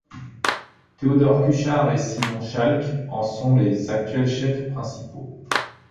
Theodore Kuchar et Simon Chalk en sont les actuels chefs principaux.